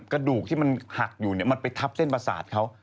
กระดูกที่มันหักอยู่มันไปทับเส้นประสาทเขา